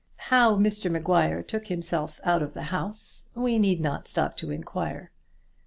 How Mr Maguire took himself out of the house we need not stop to inquire.